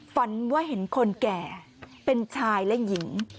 ฝันว่าเห็นคนแก่เป็นชายและหญิง